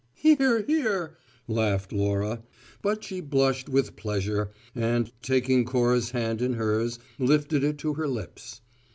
"Hear! hear!" laughed Laura; but she blushed with pleasure, and taking Cora's hand in hers lifted it to her lips.